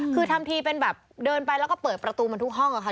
คือทำทีเป็นแบบเดินไปแล้วก็เปิดประตูมันทุกห้องค่ะ